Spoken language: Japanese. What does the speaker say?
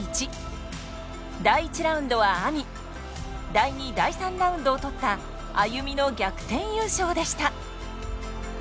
第２第３ラウンドを取ったＡＹＵＭＩの逆転優勝でした。